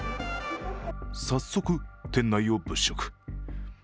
早速、店内を物色。